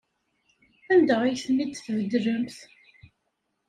Anda ay ten-id-tbeddlemt?